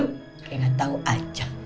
kayak gak tau aja